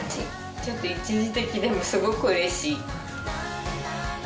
ちょっと一時的でもすごくうれしい！